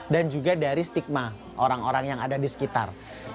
dan juga dari stigma orang orang yang ada di sekitar